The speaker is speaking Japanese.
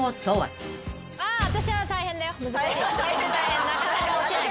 なかなか落ちないからね。